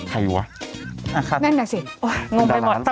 ใครวะนั่นแหละสิโอ๊ยงงไปหมดท่านร้าน